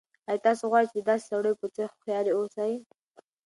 آیا تاسو غواړئ چې د داسې سړیو په څېر هوښیار اوسئ؟